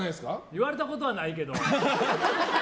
言われたことはないけど。